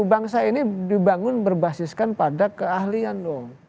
bangsa ini dibangun berbasiskan pada keahlian dong